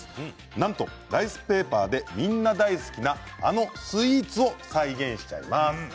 なんとライスペーパーでみんな大好きな、あのスイーツを再現しちゃいます。